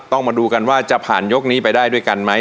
มาดูกันว่าจะผ่านยกนี้ไปได้ด้วยกันไหม